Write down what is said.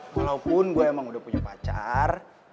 walaupun gue emang udah punya pacar